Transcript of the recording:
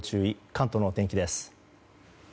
関東のお天気です。